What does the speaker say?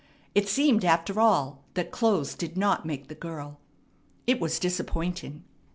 It seemed, after all, that clothes did not make the girl. It was disappointing.